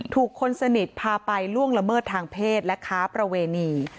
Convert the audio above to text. คนสนิทพาไปล่วงละเมิดทางเพศและค้าประเวณี